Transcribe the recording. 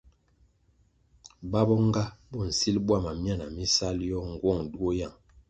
Ba bo nga bo nsil bwama myana mi sal yoh ngwong duo yang.